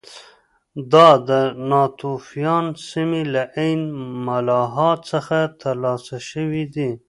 دا د ناتوفیان سیمې له عین ملاحا څخه ترلاسه شوي دي